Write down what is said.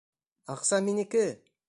Аҡса минеке!